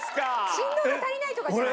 振動が足りないとかじゃない？